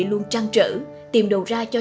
luôn trang trữ tìm đồ ra cho